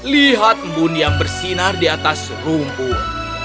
lihat mbun yang bersinar di atas rumput